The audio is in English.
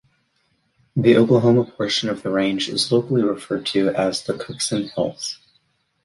The Oklahoma portion of the range is locally referred to as the Cookson Hills.